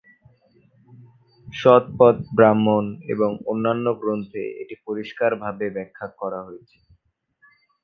শতপথ ব্রাহ্মণ এবং অন্যান্য গ্রন্থে এটি পরিষ্কার ভাবে ব্যখ্যা করা হয়েছে।